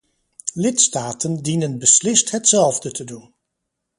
Lidstaten dienen beslist hetzelfde te doen.